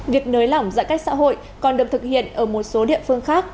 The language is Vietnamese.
việc nới lỏng giãn cách xã hội còn được thực hiện ở một số địa phương khác